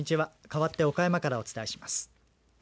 かわって岡山からお伝えします。